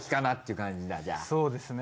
そうですね。